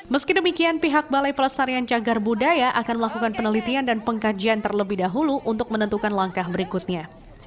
meski demikian pihak balai pelestarian cagar budaya akan melakukan penelitian dan pengkajian terlebih dahulu untuk menentukan langkah berikutnya